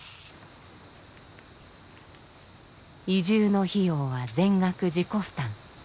移住の費用は全額自己負担。